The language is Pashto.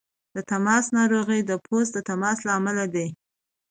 د تماس ناروغۍ د پوست تماس له امله دي.